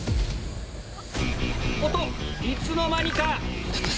おっといつの間にか！